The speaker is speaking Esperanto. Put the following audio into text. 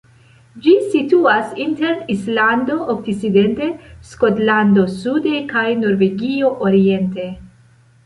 Ĝi situas inter Islando okcidente, Skotlando sude kaj Norvegio oriente.